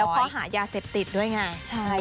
แล้วเขาหายาเสพติดด้วยไง